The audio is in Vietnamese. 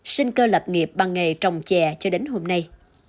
sinh cơ lập nghiệp bằng nghề trồng chè cho đến hôm nay